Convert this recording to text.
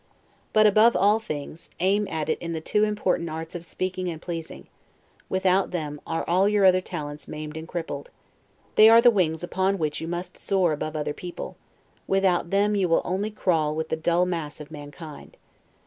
But, above all things, aim at it in the two important arts of speaking and pleasing; without them all your other talents are maimed and crippled. They are the wings upon which you must soar above other people; without them you will only crawl with the dull mass of mankind.